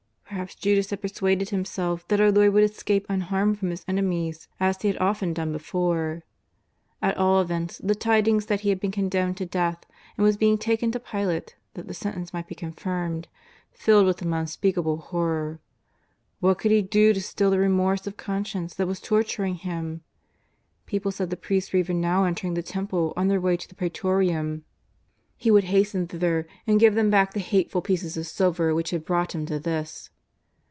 Perhaps Judas had persuaded himself that our Lord would escape unharmed from His enemies as He had often done before. At all events, the tidings that He had been condemned to death, and was being taken to Pilate that the sentence might be confirmed, filled him with unspeakable horror. What could he do to still the remorse of conscience that was torturiniz: him ? People said the priests were even now entering the Temple on their way to the Prsetorium. . He would 343 344' JESUS OF NAZABETH. hasten thither and give tliem Lack the hateful pieces of silver which had brought him to this.